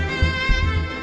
di rumah ini